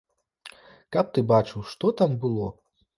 Каб ты бачыў, што там было!